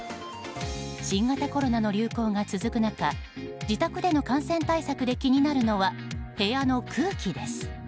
新型コロナの流行が続く中自宅での感染対策で気になるのは部屋の空気です。